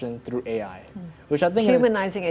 menghubungkan pendidikan melalui ai oke